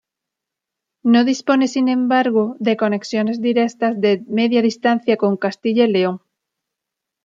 No dispone sin embargo de conexiones directas de Media Distancia con Castilla y León.